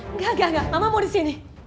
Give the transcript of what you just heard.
enggak enggak enggak mama mau di sini